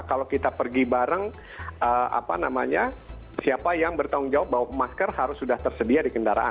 kalau kita pergi bareng siapa yang bertanggung jawab bahwa masker harus sudah tersedia di kendaraan